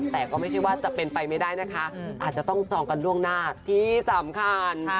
แต่ก็ไม่ใช่ว่าจะเป็นไปไม่ได้นะคะอาจจะต้องจองกันล่วงหน้าที่สำคัญ